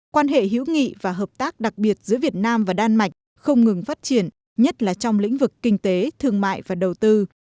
quan hệ hữu nghị và hợp tác đặc biệt giữa việt nam và đan mạch không ngừng phát triển nhất là trong lĩnh vực kinh tế thương mại và đầu tư